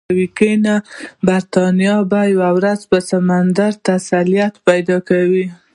ګنې برېټانیا به یوه ورځ پر سمندر تسلط پیدا کوي.